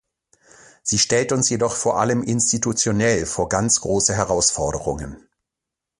Sie stellt uns jedoch vor allem institutionell vor ganz große Herausforderungen.